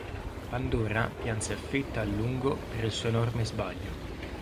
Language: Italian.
Pandora pianse afflitta a lungo per il suo enorme sbaglio...